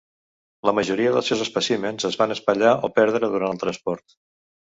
La majoria dels seus espècimens es van espatllar o perdre durant el transport.